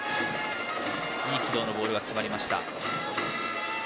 いい軌道のボールが決まりました。